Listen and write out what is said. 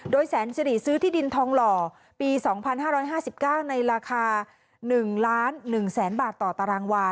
โดยแสนสิริซื้อที่ดินทองหล่อปี๒๕๕๙ในราคา๑ล้าน๑แสนบาทต่อตารางวา